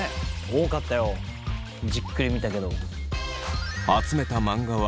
多かったよじっくり見たけど。